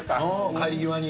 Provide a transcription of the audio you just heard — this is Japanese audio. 帰り際に。